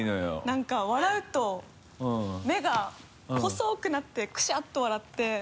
なんか笑うと目が細くなってクシャっと笑って。